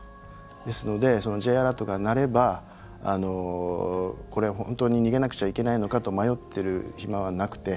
ですので、Ｊアラートが鳴ればこれ本当に逃げなくちゃいけないのかと迷っている暇はなくて。